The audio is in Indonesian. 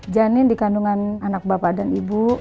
janin dikandungan anak bapak dan ibu